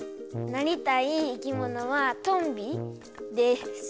なりたい生き物はトンビです。